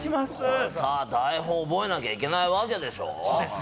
これさ、台本を覚えなきゃいけないわけでしょ？